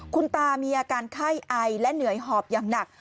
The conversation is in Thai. คุณตามีอาการไข้ไอและเหนื่อยหอบอย่างหนัก